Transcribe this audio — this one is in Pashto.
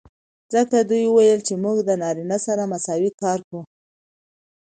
ځکه دوي وويل چې موږ د نارينه سره مساوي کار کو.